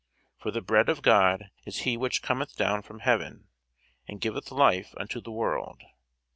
For the bread of God is he which cometh down from heaven, and giveth life unto the world.